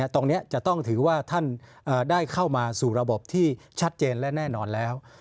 ตรงนี้จะต้องถือว่าท่านได้เข้ามาสู่ระบบที่ชัดเจนและแน่นอนแล้ว